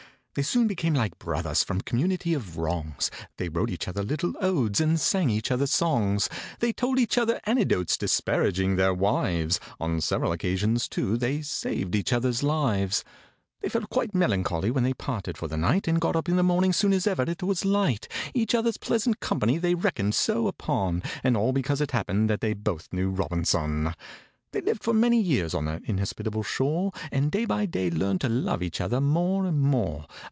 They soon became like brothers from community of wrongs: They wrote each other little odes and sang each other songs; They told each other anecdotes disparaging their wives; On several occasions, too, they saved each other's lives. They felt quite melancholy when they parted for the night, And got up in the morning soon as ever it was light; Each other's pleasant company they reckoned so upon, And all because it happened that they both knew ROBINSON! They lived for many years on that inhospitable shore, And day by day they learned to love each other more and more.